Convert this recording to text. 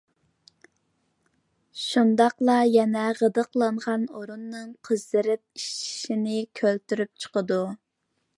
شۇنداقلا يەنە غىدىقلانغان ئورۇننىڭ قىزىرىپ ئىششىشىنى كەلتۈرۈپ چىقىرىدۇ.